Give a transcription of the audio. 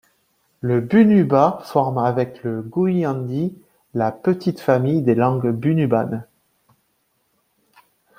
Le bunuba forme avec le gooniyandi la petite famille des langues bunubanes.